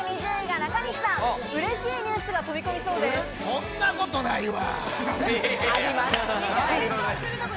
そんなことないわ。